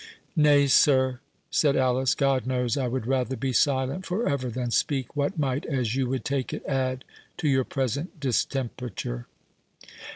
"Nay, sir," said Alice, "God knows I would rather be silent for ever, than speak what might, as you would take it, add to your present distemperature."